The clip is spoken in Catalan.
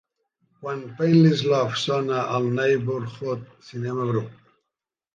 Quan Painless Love sona al Neighbourhood Cinema Group